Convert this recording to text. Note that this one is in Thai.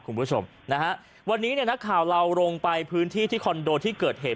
คุณผู้ชมนะฮะวันนี้เนี่ยนักข่าวเราลงไปพื้นที่ที่คอนโดที่เกิดเหตุ